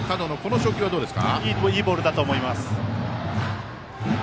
初球いいボールだと思います。